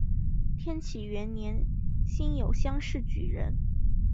天启元年辛酉乡试举人。